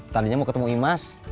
tadinya mau ketemu imas